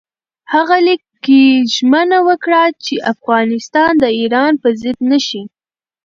هغه لیک کې ژمنه وکړه چې افغانستان د ایران پر ضد نه شي.